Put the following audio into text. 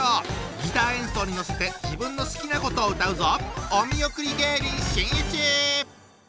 ギター演奏に乗せて自分の好きなことを歌うぞ！